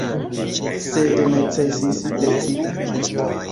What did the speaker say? Sed necesis decidi.